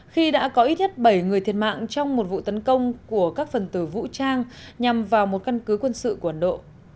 khi đã có ít nhất bảy người thiệt mạng trong một vụ tấn công của các phần tử vũ trang nhằm vào một căn cứ quân sự của ấn độ